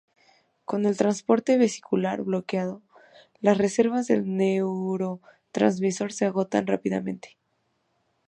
Con el transporte vesicular bloqueado, las reservas del neurotransmisor se agotan rápidamente.